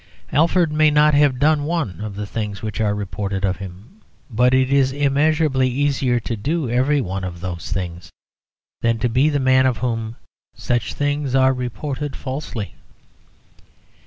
Alfred may not have done one of the things which are reported of him, but it is immeasurably easier to do every one of those things than to be the man of whom such things are reported falsely.